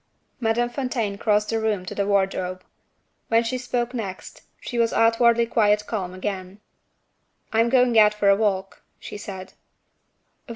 Madame Fontaine crossed the room to the wardrobe. When she spoke next, she was outwardly quite calm again. "I am going out for a walk," she said.